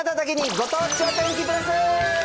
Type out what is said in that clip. ご当地お天気プラス。